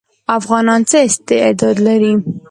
افغانان څه استعداد لري؟